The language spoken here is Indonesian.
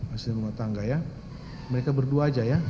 asisten rumah tangga ya mereka berdua aja ya